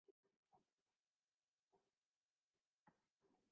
میں تھکا ہوا لیکن قدرے خوش ہوتا۔